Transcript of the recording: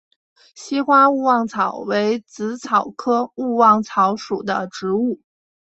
稀花勿忘草为紫草科勿忘草属的植物。